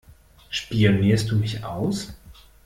Spionierst du mich aus?